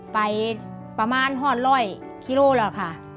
ไปประมาณ๑๐๐คิโลกรัมค่ะ